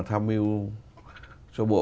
tham mưu cho bộ